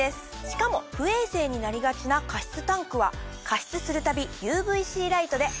しかも不衛生になりがちな加湿タンクは加湿するたびＵＶーＣライトで。